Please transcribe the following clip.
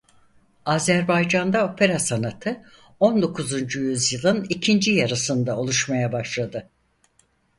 Azerbaycan'da opera sanatı on dokuzuncu yüzyılın ikinci yarısında oluşmaya başladı.